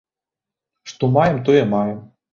Што маем, тое маем.